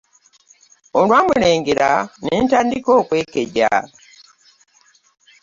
Olwamulengera ne ntandika okwekeja.